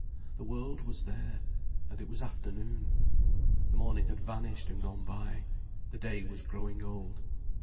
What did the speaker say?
The world was there: and it was afternoon. The morning had vanished and gone by, the day was growing old.